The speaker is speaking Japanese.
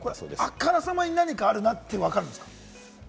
あからさまに何かあるなって分かるんですか？